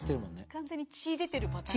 完全に血出てるパターン。